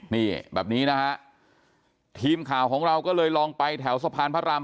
นี่แบบนี้นะฮะทีมข่าวของเราก็เลยลองไปแถวสะพานพระราม